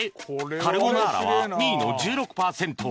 カルボナーラは２位の１６パーセント